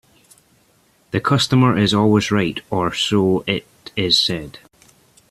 The customer is always right, or so it is said